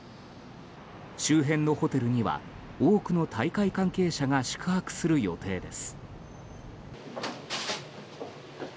周辺のホテルには多くの大会関係者が宿泊する予定です。